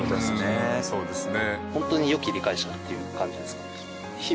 うんそうですね。